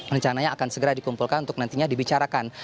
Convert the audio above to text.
rencananya akan segera dikumpulkan untuk nantinya dibicarakan